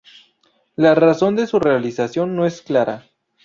La razón de su realización no es clara.